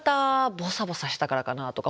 ボサボサしてたからかなとか